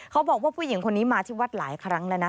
เขาบอกว่าผู้หญิงคนนี้มาที่วัดหลายครั้งแล้วนะ